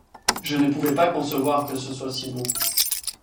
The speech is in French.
Je ne pouvais pas concevoir que ce soit si bon.